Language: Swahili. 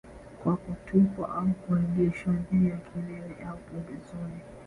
Kwa kutupwa au huegeshwa juu ya kilele au pembezoni